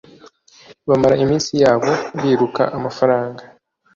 bamara iminsi yabo biruka amafaranga